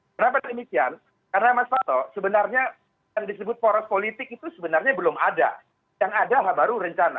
kenapa demikian karena mas toto sebenarnya yang disebut poros politik itu sebenarnya belum ada yang ada baru rencana